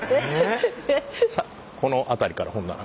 さあこの辺りからほんなら。